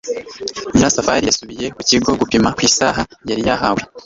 nyirasafari yasubiye ku kigo gipima kw' isaha yari yahawe